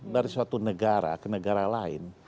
dari suatu negara ke negara lain